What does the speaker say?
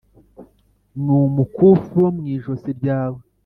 N umukufi wo mu ijosi ryawe